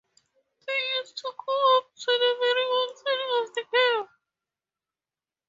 They used to go up to the very mouth of the cave.